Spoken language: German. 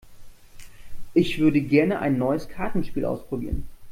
Ich würde gerne ein neues Kartenspiel ausprobieren.